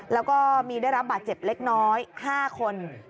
แล้วก็มีได้รับบาดเจ็บเล็กน้อย๕คน